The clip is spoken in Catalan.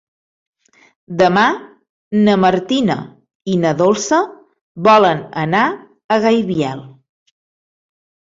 Demà na Martina i na Dolça volen anar a Gaibiel.